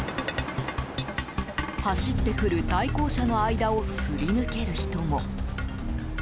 走ってくる対向車の間をすり抜ける人も。